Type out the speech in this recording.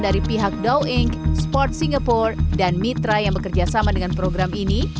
dari pihak dow inc sport singapore dan mitra yang bekerja sama dengan program ini